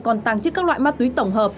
còn tàng trực các loại ma túy tổng hợp